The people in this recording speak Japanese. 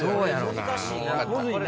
難しいな。